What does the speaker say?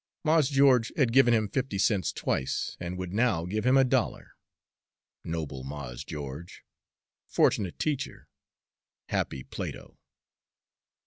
Mars Geo'ge had given him fifty cents twice, and would now give him a dollar. Noble Mars Geo'ge! Fortunate teacher! Happy Plato!